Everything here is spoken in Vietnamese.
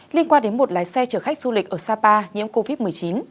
liên quan đến một lái xe chở khách du lịch ở sapa nhiễm covid một mươi chín